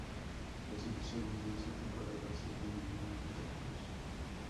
Los episodios de esta temporada se denominan "Actos".